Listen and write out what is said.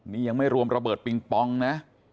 นี่ยังไม่รวมระเบิดปิงปองนะ